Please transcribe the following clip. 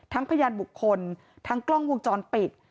พยานบุคคลทั้งกล้องวงจรปิด